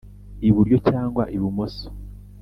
iburyo cyangwa ibumoso